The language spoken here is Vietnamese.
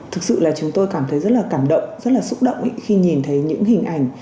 thực sự là chúng tôi cảm thấy rất là cảm động rất là xúc động khi nhìn thấy những hình ảnh